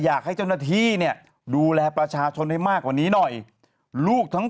อยากให้เจ้าหน้าที่เนี่ยดูแลประชาชนให้มากกว่านี้หน่อยลูกทั้ง